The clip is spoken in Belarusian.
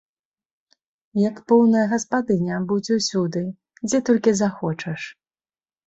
Як поўная гаспадыня будзь усюды, дзе толькі захочаш.